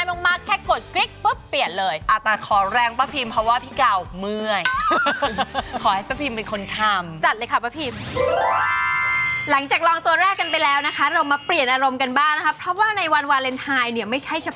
วันหนักทำงานแล้วก็แลกกันใช้